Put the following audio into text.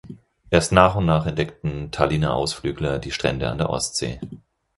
Erst nach und nach entdeckten Tallinner Ausflügler die Strände an der Ostsee.